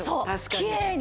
きれいに。